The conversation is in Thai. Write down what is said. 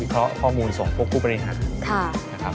ข้อมูลส่งพวกผู้บริหาร